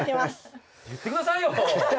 言ってくださいよ。